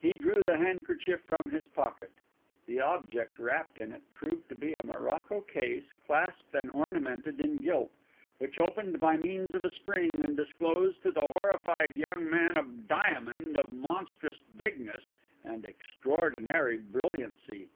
He drew the handkerchief from his pocket. The object wrapped in it proved to be a morocco case, clasped and ornamented in gilt, which opened by means of a spring, and disclosed to the horrified young man a diamond of monstrous bigness and extraordinary brilliancy.